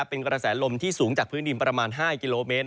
เป็นกระแสลมที่สูงจากพื้นดินประมาณ๕กิโลเมตร